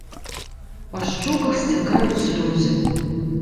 Па шчоках сцякаюць слёзы.